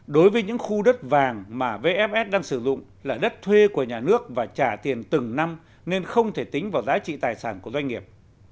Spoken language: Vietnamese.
đối với những khu đất vàng mà vfs đang sử dụng là đất thuê của nhà nước và trả tiền từng năm nên không thể tính vào giá trị tài sản của doanh nghiệp